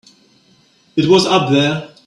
It was up there.